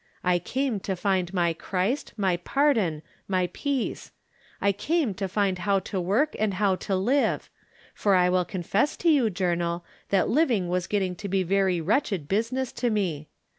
I came to find my Christ, my pardon, my peace. I came to find how to work and how to live ; for I wUl confess to you, Journal, that living was getting to be very wretched business to me.